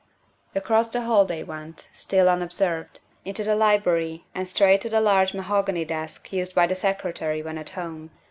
Across the hall they went, still unobserved, into the library and straight to the large mahogany desk used by the Secretary when at home.